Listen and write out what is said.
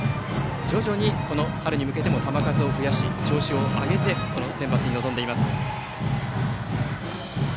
徐々にこの春に向けても球数を増やし調子を上げてセンバツに臨んでいます。